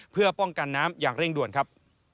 เพื่อป้องกันน้ำอย่างเร่งด่วนครับ